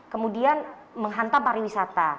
kemudian menghantam pariwisata